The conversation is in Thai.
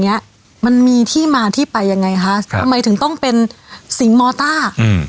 เนี้ยมันมีที่มาที่ไปยังไงคะครับทำไมถึงต้องเป็นสิงห์มอต้าอืม